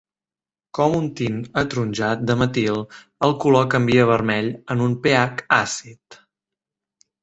Com un tint ataronjat de metil, el color canvia a vermell en un pH àcid.